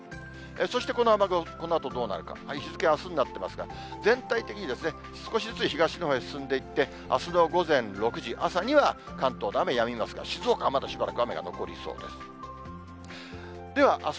そしてこの雨雲、このあとどうなるか、日付、あすになってますが、全体的に少しずつ東のほうへ進んでいって、あすの午前６時、朝には、関東の雨やみますが、静岡、まだしばらく雨が残りそうです。